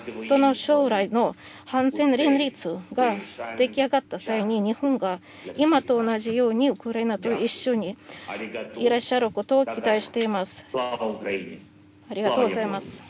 その将来ができ上がった際に日本が今と同じようにウクライナと一緒にいらっしゃることを期待しています。